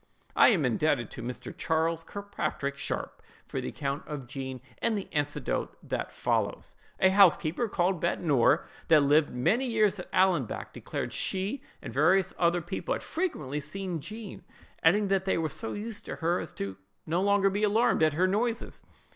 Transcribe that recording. I am indebted to Mr. Charles Kirkpatrick Sharpe for the account of Jean, and the anecdote that follows. A housekeeper, called Bettie Norrie, that lived many years at Allanbank, declared she and various other people had frequently seen Jean, adding that they were so used to her, as to be no longer alarmed at her noises.